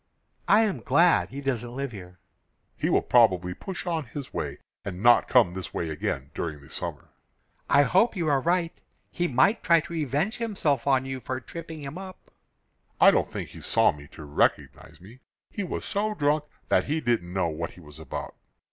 "I am glad he doesn't live here." "He will probably push on his way and not come this way again during the summer." "I hope you are right. He might try to revenge himself on you for tripping him up." "I don't think he saw me to recognize me. He was so drunk that he didn't know what he was about.